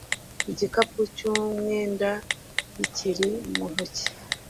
igikapu n'umwenda bikiri mu ntoki